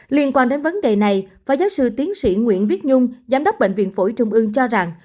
liên quan đến vấn đề này phó giáo sư tiến sĩ nguyễn viết nhung giám đốc bệnh viện phổi trung ương cho rằng